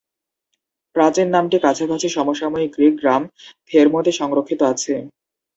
প্রাচীন নামটি কাছাকাছি সমসাময়িক গ্রীক গ্রাম থের্মোতে সংরক্ষিত আছে।